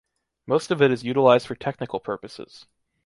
Most of it is utilized for technical purposes.